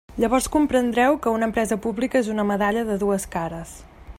Llavors comprendreu que una empresa pública és una medalla de dues cares.